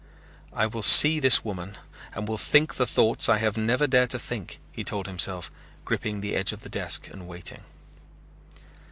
"I will see this woman and will think the thoughts I have never dared to think," he told himself, gripping the edge of the desk and waiting.